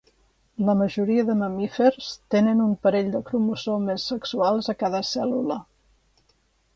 La majoria de mamífers tenen un parell de cromosomes sexuals a cada cèl·lula.